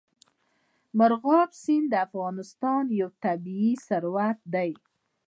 مورغاب سیند د افغانستان یو طبعي ثروت دی.